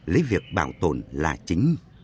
lấy việc bảo tồn là chính